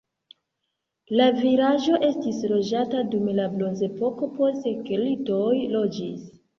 La vilaĝo estis loĝata dum la bronzepoko, poste keltoj loĝis.